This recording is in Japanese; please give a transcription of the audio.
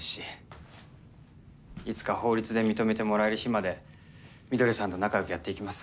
いつか法律で認めてもらえる日まで翠さんと仲よくやっていきます。